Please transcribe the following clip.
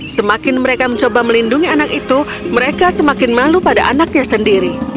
semakin mereka mencoba melindungi anak itu mereka semakin malu pada anaknya sendiri